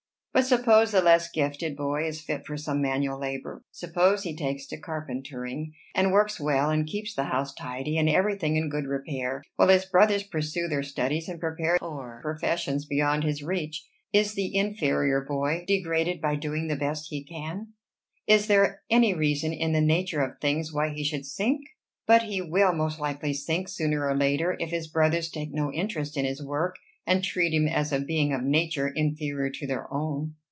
But suppose the less gifted boy is fit for some manual labor; suppose he takes to carpentering, and works well, and keeps the house tidy, and every thing in good repair, while his brothers pursue their studies and prepare for professions beyond his reach: is the inferior boy degraded by doing the best he can? Is there any reason in the nature of things why he should sink? But he will most likely sink, sooner or later, if his brothers take no interest in his work, and treat him as a being of nature inferior to their own."